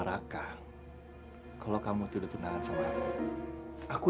raka kalau kamu tidur tenang sama aku